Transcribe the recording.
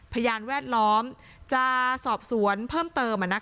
พยานแวดล้อมจะสอบสวนเพิ่มเติม